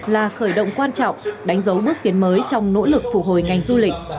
là khởi động quan trọng đánh dấu bước tiến mới trong nỗ lực phục hồi ngành du lịch